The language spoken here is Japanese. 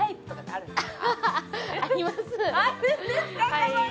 あるんですか？